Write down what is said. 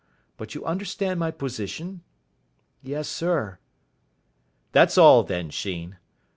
But you understand my position?" "Yes, sir." "That's all, then, Sheen.